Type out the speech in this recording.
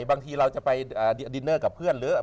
บางทีเราจะไปดินเนอร์กับเพื่อนหรือ